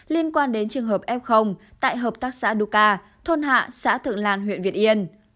liên quan đến trường hợp f tại hợp tác xã duca thôn hạ xã thượng lan huyện việt yên